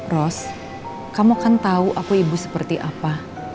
ros kamu kan tahu aku ibu seperti apa